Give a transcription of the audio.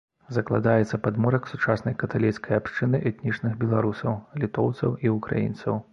Закладаецца падмурак сучаснай каталіцкай абшчыны этнічных беларусаў, літоўцаў і ўкраінцаў.